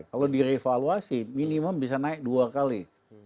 kalau direvaluasi minimum bisa naik dua kali